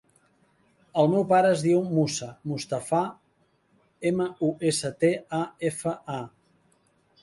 El meu pare es diu Musa Mustafa: ema, u, essa, te, a, efa, a.